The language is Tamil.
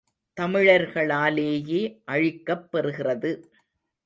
தமிழர்களாலேயே அழிக்கப் பெறுகிறது.